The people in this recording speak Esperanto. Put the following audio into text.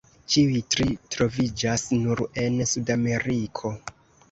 Ĉiuj tri troviĝas nur en Sudameriko.